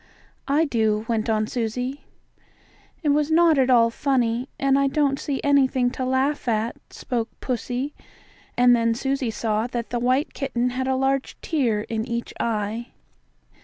"I do," went on Susie. "It was not at all funny, and I don't see anything to laugh at," spoke pussy, and then Susie saw that the white kitten had a large tear in each eye.